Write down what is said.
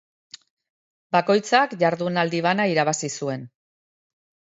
Bakoitzak jardunaldi bana irabazi zuen.